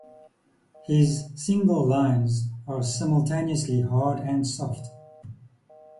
His single-lines are simultaneously hard and soft.